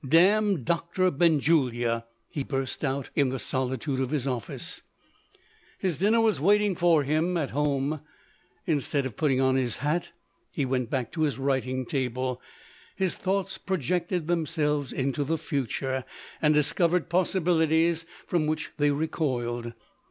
"Damn Doctor Benjulia!" he burst out, in the solitude of his office. His dinner was waiting for him at home. Instead of putting on his hat, he went back to his writing table. His thoughts projected themselves into the future and discovered possibilities from which they recoiled.